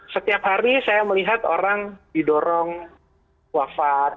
setiap hari saya melihat orang didorong wafat